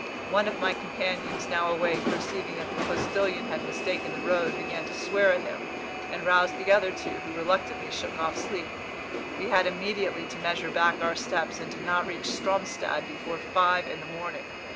One of my companions, now awake, perceiving that the postillion had mistaken the road, began to swear at him, and roused the other two, who reluctantly shook off sleep. We had immediately to measure back our steps, and did not reach Stromstad before five in the morning.